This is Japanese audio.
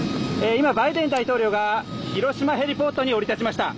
今、バイデン大統領が広島ヘリポートに降り立ちました。